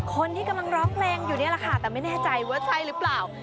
คนที่กำลังร้องเพลงอยู่นี่แหละค่ะแต่ไม่แน่ใจว่าใช่หรือเปล่า